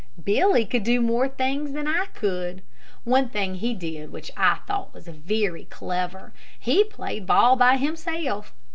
Billy could do more things than I could. One thing he did which I thought was very clever. He played ball by himself.